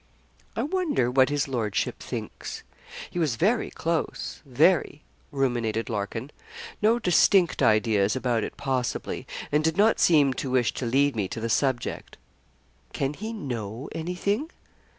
'I wonder what his lordship thinks. He was very close very' ruminated Larkin; 'no distinct ideas about it possibly; and did not seem to wish to lead me to the subject. Can he know anything?